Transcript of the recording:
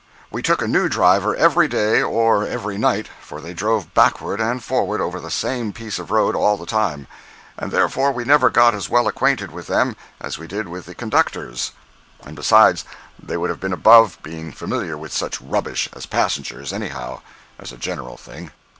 We took a new driver every day or every night (for they drove backward and forward over the same piece of road all the time), and therefore we never got as well acquainted with them as we did with the conductors; and besides, they would have been above being familiar with such rubbish as passengers, anyhow, as a general thing.